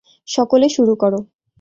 সকলে শুরু করো।